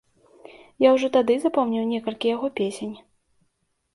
Я ўжо тады запомніў некалькі яго песень.